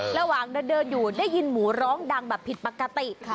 ระหว่างเดินอยู่ได้ยินหมูร้องดังแบบผิดปกติค่ะ